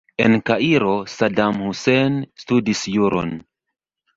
En Kairo Saddam Hussein studis juron.